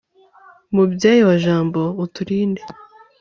mubyeyi wa jambo, uturinde